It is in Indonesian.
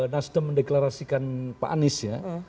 nasdem mendeklarasikan pak anies